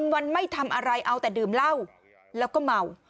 วันไม่ทำอะไรเอาแต่ดื่มเหล้าแล้วก็เมา